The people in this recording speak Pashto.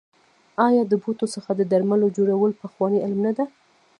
آیا د بوټو څخه د درملو جوړول پخوانی علم نه دی؟